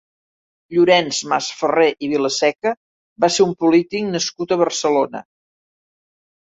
Llorenç Masferrer i Vilaseca va ser un polític nascut a Barcelona.